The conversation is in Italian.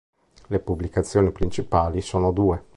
Le pubblicazioni principali sono due.